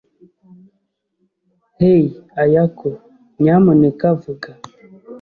Hey, Ayako. Nyamuneka vuga.